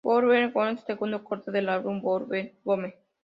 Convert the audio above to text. World Be Gone es el segundo corte del álbum World Be Gone.